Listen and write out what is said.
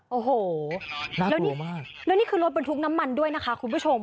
โอ้โหแล้วนี่คือรถบนทุกข์น้ำมันด้วยนะคะคุณผู้ชม